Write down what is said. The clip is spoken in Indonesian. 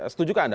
setuju kan anda